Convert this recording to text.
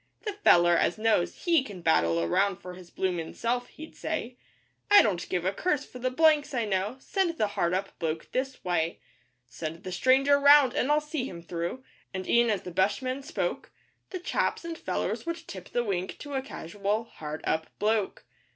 'The feller as knows, he can battle around for his bloomin' self,' he'd say 'I don't give a curse for the "blanks" I know send the hard up bloke this way; Send the stranger round, and I'll see him through,' and, e'en as the bushman spoke, The chaps and fellers would tip the wink to a casual, 'hard up bloke.